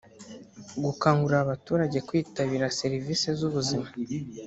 gukangurira abaturage kwitabira serivisi z’ubuzima